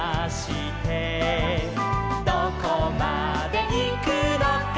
「どこまでいくのか」